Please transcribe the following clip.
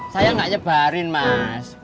saya gak sebarin mas